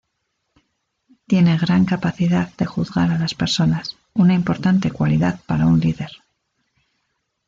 Tiene gran capacidad de juzgar a las personas, una importante cualidad para un líder.